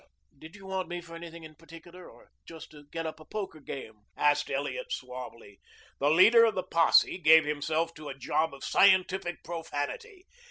"Did you want me for anything in particular or just to get up a poker game?" asked Elliot suavely. The leader of the posse gave himself to a job of scientific profanity.